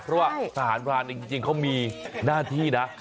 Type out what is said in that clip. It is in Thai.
เพราะว่าทหารพรานจริงเขามีหน้าที่นะ